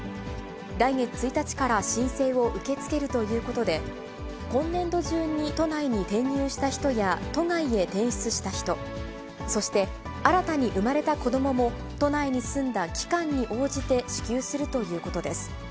来月１日から申請を受け付けるということで、今年度中に都内に転入をした人や都外へ転出した人、そして新たに産まれた子どもも都内に住んだ期間に応じて支給するということです。